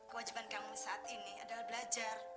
kewajiban kami saat ini adalah belajar